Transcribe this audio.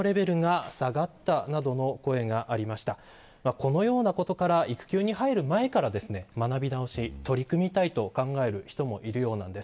このようなことから育休に入る前から学び直し、取り組みたいと考える人もいるようなんです。